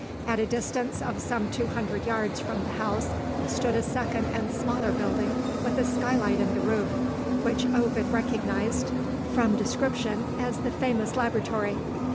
At a distance of some two hundred yards from the house stood a second and smaller building, with a skylight in the roof, which Ovid recognised (from description) as the famous laboratory.